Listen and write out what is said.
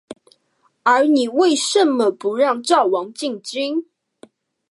而你为甚么不让赵王进京？